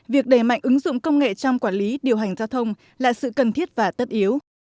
việc đẩy mạnh ứng dụng công nghệ trong quản lý điều hành giao thông là sự cần thiết và tất yếu